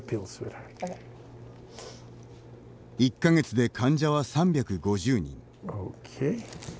１か月で患者は３５０人。